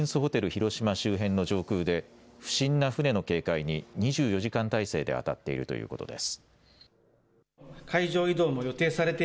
広島周辺の上空で不審な船の警戒に２４時間態勢であたっているということです。